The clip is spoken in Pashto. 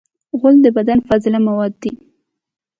غول د بدن فاضله مواد دي.